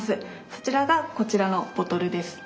そちらがこちらのボトルです。